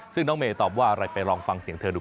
ซึ่งน้องเมย์ตอบว่าอะไรไปลองฟังเสียงเธอดู